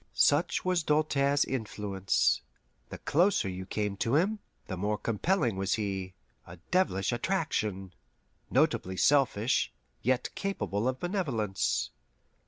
Such was Doltaire's influence. The closer you came to him, the more compelling was he a devilish attraction, notably selfish, yet capable of benevolence.